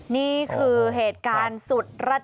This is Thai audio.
นี่คือเหตุการณ์สุดระด